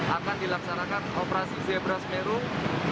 akan dilaksanakan operasi zebra semeru dua ribu dua puluh